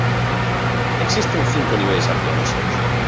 Existen cinco niveis arqueolóxicos.